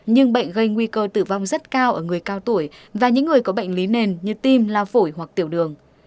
nhưng bệnh gây nguy cơ tử vong rất cao ở người cao tuổi và những người có bệnh lý nền như tim la phổi hoặc tiểu đường